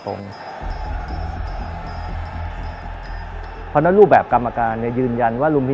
เพราะฉะนั้นรูปแบบกรรมการยืนยันว่า